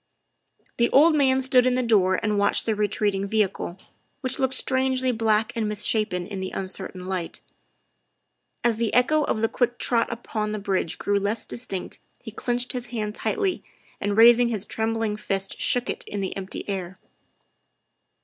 The old man stood in the door and watched the re treating vehicle, which looked strangely black and mis shapen in the uncertain light. As the echo of the quick trot upon the bridge grew less distinct he clinched his hand tightly, and raising his trembling fist shook it in the empty air.